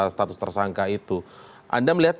status tersangka itu anda melihat